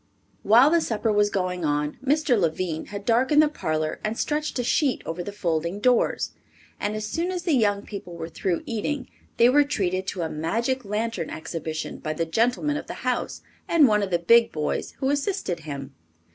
While the supper was going on, Mr. Lavine had darkened the parlor and stretched a sheet over the folding doors, and as soon as the young people were through eating they were treated to a magic lantern exhibition by the gentleman of the house and one of the big boys, who assisted him.